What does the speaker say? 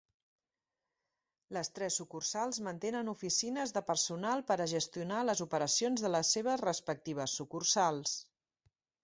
Les tres sucursals mantenen oficines de personal per a gestionar les operacions de les seves respectives sucursals.